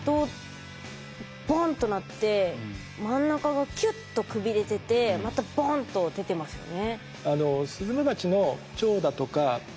ボンッとなって真ん中がキュッとくびれててまたボンッと出てますよね。